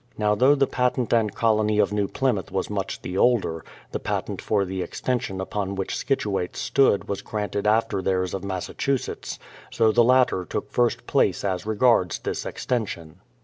Now though the patent and colony of New Plymouth was much the older, the patent for the extension upon which Scituate stood was granted after theirs of Massachusetts; so the latter took first place as regards this extension.